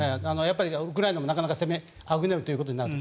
ウクライナもなかなか攻めあぐねるということになる。